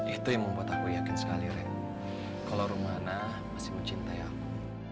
itu yang membuat aku yakin sekali rein kalau rumahna masih mencintai aku